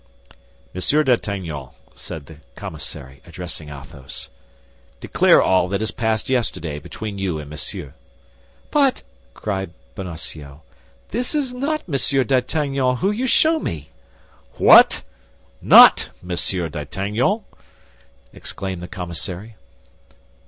"Monsieur d'Artagnan," said the commissary, addressing Athos, "declare all that passed yesterday between you and Monsieur." "But," cried Bonacieux, "this is not Monsieur d'Artagnan whom you show me." "What! Not Monsieur d'Artagnan?" exclaimed the commissary.